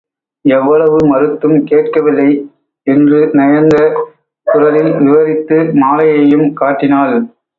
எவ்வளவு மறுத்தும் கேட்கவில்லை... என்று நயந்த குரலில் விவரித்து மாலையையும் காட்டினாள்.